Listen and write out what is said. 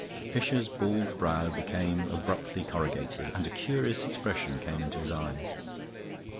Fisher's bald brow became abruptly corrugated, and a curious expression came into his eyes.